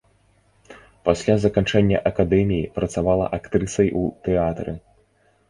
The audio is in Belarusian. Пасля заканчэння акадэміі працавала актрысай ў тэатры.